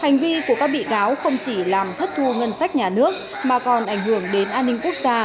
hành vi của các bị cáo không chỉ làm thất thu ngân sách nhà nước mà còn ảnh hưởng đến an ninh quốc gia